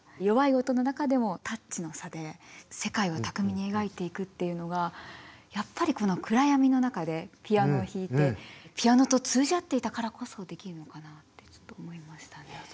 弱い音の中でもタッチの差で世界を巧みに描いていくっていうのがやっぱりこの暗闇の中でピアノを弾いてピアノと通じ合っていたからこそできるのかなってちょっと思いましたね。